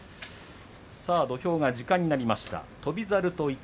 土俵が時間になりました。